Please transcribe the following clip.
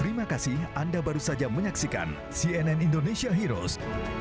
terima kasih anda baru saja menyaksikan cnn indonesia heroes